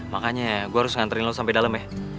makanya gue harus nganterin lo sampe dalam ya